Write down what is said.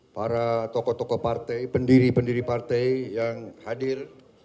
para tokoh tokoh partai pendiri pendiri partai yang hadir